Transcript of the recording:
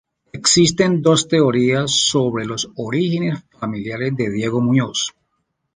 Existen dos teorías sobre los orígenes familiares de Diego Muñoz.